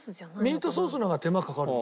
ミートソースの方が手間かかるの？